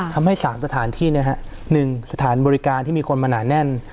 ทำให้สามสถานที่เนี่ยฮะหนึ่งสถานบริการที่มีคนมาหนาแน่น